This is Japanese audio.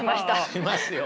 しますよね。